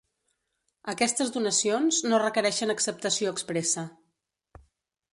Aquestes donacions no requereixen acceptació expressa.